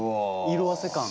色あせ感。